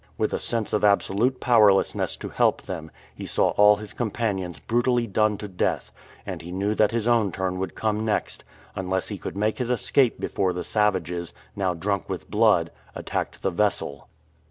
With a sense of absolute powerlessness to help them, he saw all his companions brutally done to death, and he knew that his own turn would come next unless he could make his escape before the savages, now drunk with blood, attacked the vessel.